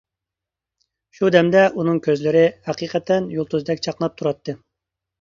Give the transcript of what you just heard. شۇ دەمدە ئۇنىڭ كوزىلىرى ھەقىقەتەن يۇلتۇزدەك چاقناپ تۇراتتى.